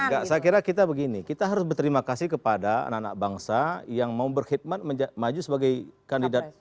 enggak saya kira kita begini kita harus berterima kasih kepada anak anak bangsa yang mau berkhidmat maju sebagai kandidat